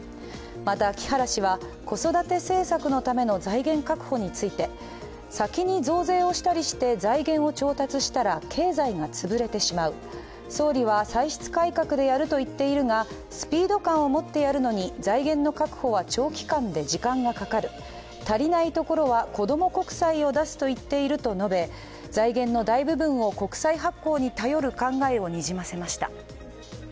また木原氏は子育て政策のための財源確保について先に増税をしたりして財源を調達したら経済が潰れてしまう総理は、歳出改革でやっていると言っているがスピード感を持ってやるのに財源の確保は長期間で時間がかかる、足りないところはこども国債を出すと言っていると述べ、財源の大部分を国債発行に頼る考えをにじませました。